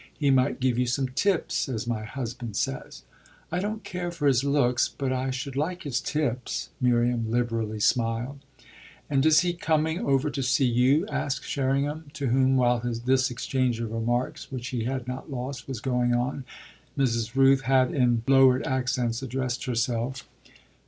He might give you some tips, as my husband says." "I don't care for his looks, but I should like his tips," Miriam liberally smiled. "And is he coming over to see you?" asked Sherringham, to whom, while this exchange of remarks, which he had not lost, was going on, Mrs. Rooth had in lowered accents addressed herself.